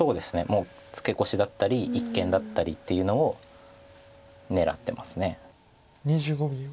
もうツケコシだったり一間だったりっていうのを狙ってます。